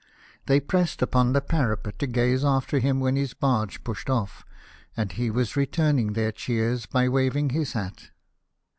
They pressed upon the parapet to gaze after him when his barge pushed off', and he was returning their cheers by waving his hat.